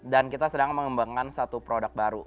dan kita sedang mengembangkan satu produk baru